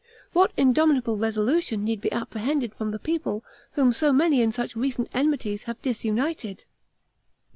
What indomitable resolution need be apprehended from the people whom so many and such recent enmities have disunited?